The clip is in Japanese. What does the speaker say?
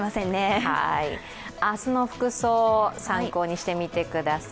明日の服装、参考にしてみてください。